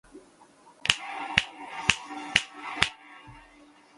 德斯佩塔尔是德国下萨克森州的一个市镇。